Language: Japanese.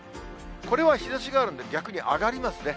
これは日ざしがあるんで、逆に上がりますね。